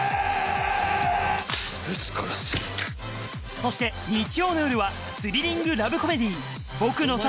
そして日曜の夜はスリリング・ラブコメディ